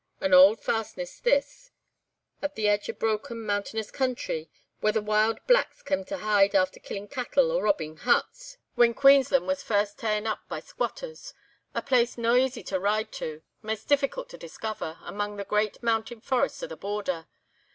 An auld fastness this, at the edge o' broken, mountainous country, where the wild blacks cam' to hide after killing cattle or robbing huts, when Queensland was first ta'en up by squatters. A place no that easy to ride to, maist deeficult to discover, amang the great mountain forests o' the border.